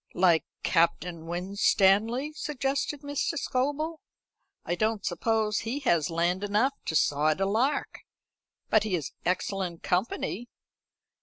"Like Captain Winstanley," suggested Mr. Scobel. "I don't suppose he has land enough to sod a lark. But he is excellent company."